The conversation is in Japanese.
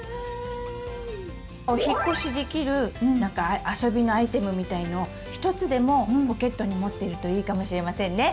「お引っ越しできる」あそびのアイテムみたいのをひとつでもポケットに持ってるといいかもしれませんね！